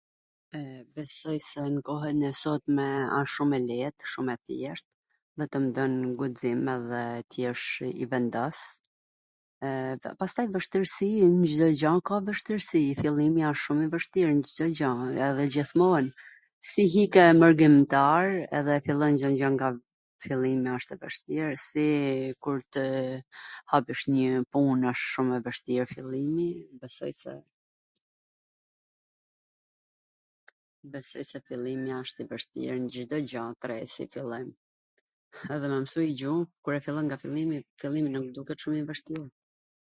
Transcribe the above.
Besoj se n kohwn e sotme asht shum e leet, shum e thjesht, vetwm don guxim edhe t jesh i vendos, pastaj vwshtwrsi, Cdo gja ka vwshtwrsi, filllimi asht shum i vwshtir, dwgjo, edhe gjithmon, si ike mwrgimtar, edhe e fillon Cdo gjw nga fillimi, asht e vwshtir si kur tw hapwsh njw pun ashtu, i vwshtir fillimi, besoj se fillimi wsht i vwshtir nw Cdo gja t re.